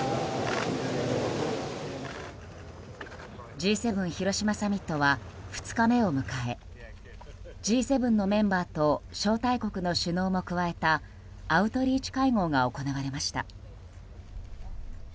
Ｇ７広島サミットは２日目を迎えＧ７のメンバーと招待国の首脳も加えたアウトリーチ会合が行われました。